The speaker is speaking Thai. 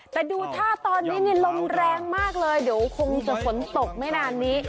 แต่ดูท่าตอนนี้ลมแรงมากเลยเดี๋ยวคงจะฝนตกไม่นานนี้